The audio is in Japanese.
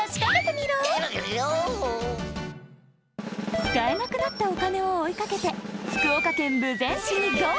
使えなくなったお金をおいかけて福岡県豊前市にゴー！